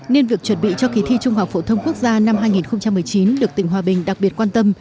nên việc chuẩn bị cho kỳ thi trung học phổ thông quốc gia năm hai nghìn một mươi chín được tỉnh hòa bình đặc biệt quan tâm